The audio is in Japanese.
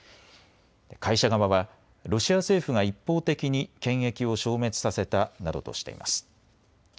会社側はロシア政府が一方的に権益を消滅させたなどとしています。